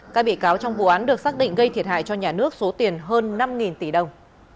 các bị cáo trong vụ án được xác định gây thiệt hại cho nhà nước số tiền hơn năm tỷ đồng